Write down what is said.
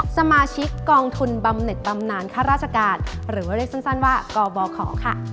สมาชิกกองทุนบำเน็ตบำนานข้าราชการหรือว่าเรียกสั้นว่ากบขค่ะ